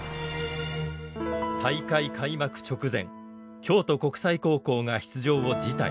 大会開幕直前京都国際高校が出場を辞退。